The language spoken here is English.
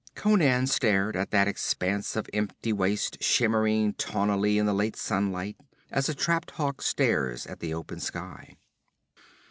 Conan stared at that expanse of empty waste shimmering tawnily in the late sunlight as a trapped hawk stares at the open sky.